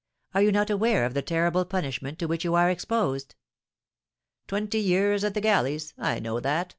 Are you not aware of the terrible punishment to which you are exposed?" "Twenty years at the galleys; I know that.